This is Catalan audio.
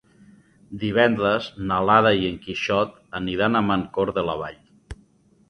Divendres na Lara i en Quixot aniran a Mancor de la Vall.